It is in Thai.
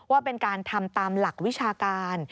ว่าเป็นการทำตามหลักวิชาการ